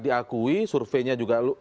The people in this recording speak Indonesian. diakui surveinya juga